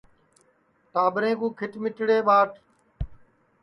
ٹاٻریں کُو کھیٹ میٹڑے ٻاٹ